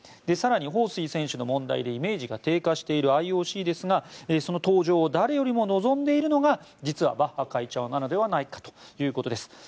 更にホウ・スイ選手の問題でイメージが低下しているＩＯＣですがその登場を誰よりも望んでいるのが実はバッハ会長なのではないかということです。